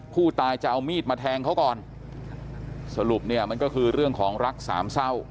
ผู้ตายจะเอามีดมาแทงเขาก่อนสรุปเนี่ยมันก็คือเรื่องของรักสามเศร้า